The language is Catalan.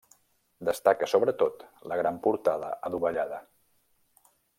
Destaca sobretot la gran portada adovellada.